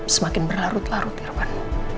semakin berlarut larut irwan